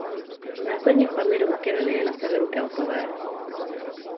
Následně vpadli do Makedonie ze severu Keltové.